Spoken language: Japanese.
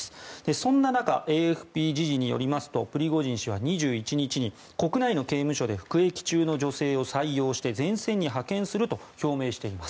そんな中ＡＦＰ時事によりますとプリゴジン氏は２１日国内の刑務所で服役中の女性を採用して前線に派遣すると表明しています。